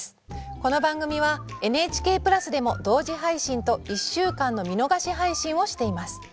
この番組はＮＨＫプラスでも同時配信と１週間の見逃し配信をしています。